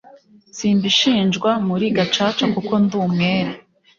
Simbishinjwa muri gacaca kuko ndumwere